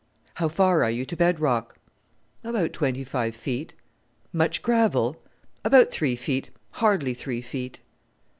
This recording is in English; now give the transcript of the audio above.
"How far are you to bed rock?" "About twenty five feet." "Much gravel?" "About three feet hardly three feet."